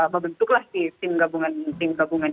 membentuklah si tim gabungan